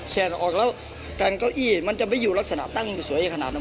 ออกแล้วกันเก้าอี้มันจะไม่อยู่ลักษณะตั้งอยู่สวยขนาดนั้น